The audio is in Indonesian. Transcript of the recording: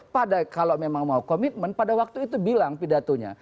pada kalau memang mau komitmen pada waktu itu bilang pidatonya